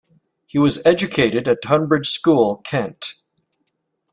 He was educated at Tonbridge School, Kent.